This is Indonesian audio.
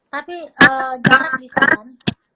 tapi jarak bisa kan